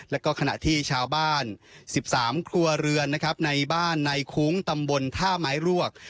แล้วก็ขณะที่ชาวบ้าน๑๓ครัวเรือนนะครับในบ้านในคุ้งตำบลท่าไม้รวก